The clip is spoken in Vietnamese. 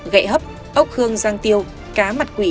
gậy hấp ốc hương giang tiêu cá mặt quỷ